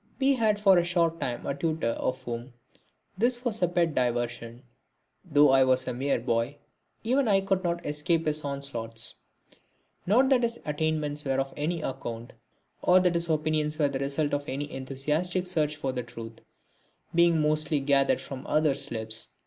We had for a short time a tutor of whom this was a pet diversion. Though I was a mere boy, even I could not escape his onslaughts. Not that his attainments were of any account, or that his opinions were the result of any enthusiastic search for the truth, being mostly gathered from others' lips.